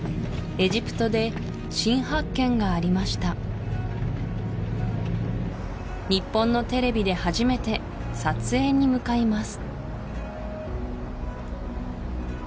エジプトで新発見がありました日本のテレビで初めて撮影に向かいます